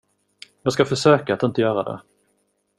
Jag ska försöka att inte göra det.